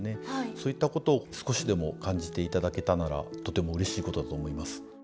そういったことを少しでも感じていただけたならとてもうれしいことだと思います。